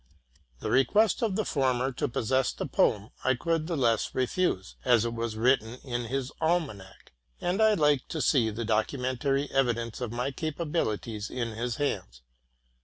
The request of the former to possess the poem I could the less refuse. as it was written in his almanac ; and f liked to see the documentary evidence of my capabili ties in his hands.